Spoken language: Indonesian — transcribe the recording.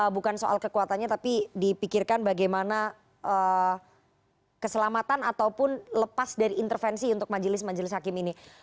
bukan soal kekuatannya tapi dipikirkan bagaimana keselamatan ataupun lepas dari intervensi untuk majelis majelis hakim ini